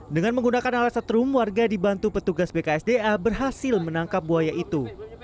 dengan menggunakan alat setrum warga dibantu petugas bksda berhasil menangkap buaya itu